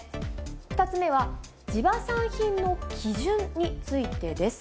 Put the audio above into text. ２つ目は、地場産品の基準についてです。